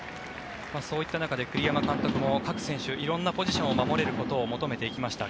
そういった中で栗山監督も、各選手色んなポジションを守れることを求めていきました。